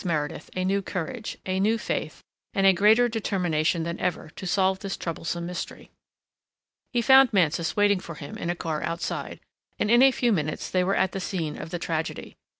Meredith a new courage, a new faith and a greater determination than ever to solve this troublesome mystery. He found Mansus waiting for him in a car outside and in a few minutes they were at the scene of the tragedy.